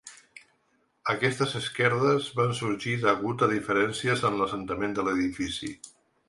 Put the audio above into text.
Aquestes esquerdes van sorgir degut a diferencies en l’assentament de l’edifici.